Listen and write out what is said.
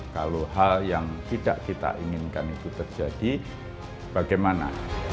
kalau hal yang tidak kita inginkan itu terjadi bagaimana